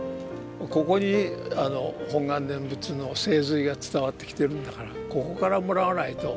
ここに「本願念仏」の精髄が伝わってきてるんだからここからもらわないと。